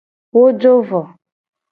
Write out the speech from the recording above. Wo jo vo.